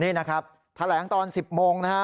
นี่นะครับแถลงตอน๑๐โมงนะฮะ